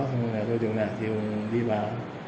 xong rồi tôi dừng lại thì ông đi vào